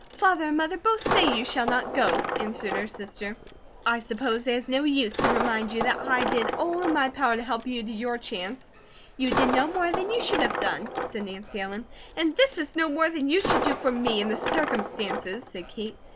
"Father and Mother both say you shall not go," answered her sister. "I suppose there is no use to remind you that I did all in my power to help you to your chance." "You did no more than you should have done," said Nancy Ellen. "And this is no more than you should do for me, in the circumstances," said Kate.